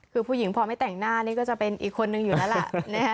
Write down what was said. คือผู้หญิงพอไม่แต่งหน้านี่ก็จะเป็นอีกคนนึงอยู่แล้วล่ะ